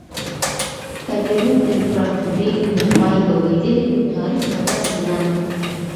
که د روم امپراطورۍ نه وای لوېدلې نو تاريخ به داسې نه وای.